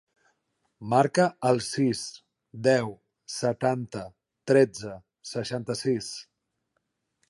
Marca el sis, deu, setanta, tretze, seixanta-sis.